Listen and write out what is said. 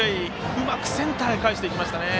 うまくセンターへ返していきましたね。